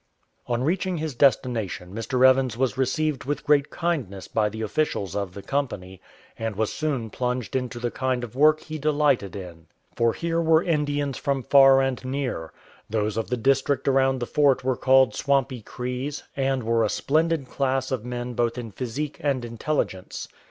On reaching his destination, Mr. Evans was received with great kindness by the officials of the Company, and was soon plunged into the kind of work he delighted in. For here were Indians from far and near. Those of the district around the fort were called Swampy Crees, and were a splendid class of men both in physique and intelligence.